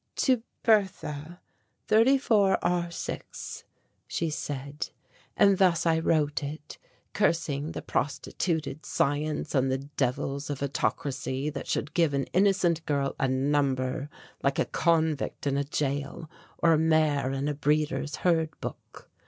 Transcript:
"To Bertha, 34 R 6," she said, and thus I wrote it, cursing the prostituted science and the devils of autocracy that should give an innocent girl a number like a convict in a jail or a mare in a breeder's herd book.